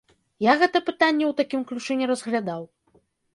Я гэта пытанне ў такім ключы не разглядаў.